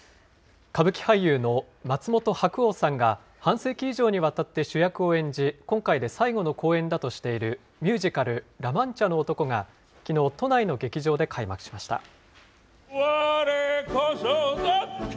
歌舞伎俳優の松本白鸚さんが半世紀以上にわたって主役を演じ、今回で最後の公演だとしているミュージカル、ラ・マンチャの男が、きのう、都内の劇場で開幕しました。